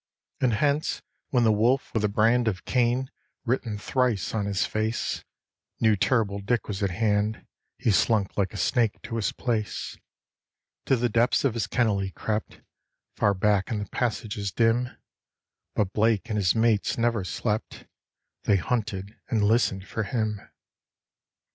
And, hence, when the wolf with the brand of Cain written thrice on his face, Knew terrible Dick was at hand, he slunk like a snake to his place To the depths of his kennel he crept, far back in the passages dim; But Blake and his mates never slept; they hunted and listened for him.